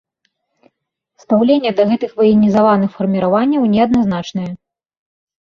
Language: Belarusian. Стаўленне да гэтых ваенізаваных фарміраванняў неадназначнае.